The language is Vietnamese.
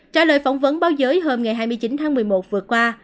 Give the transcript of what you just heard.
trả lời phỏng vấn báo giới hôm hai mươi chín tháng một mươi một vượt qua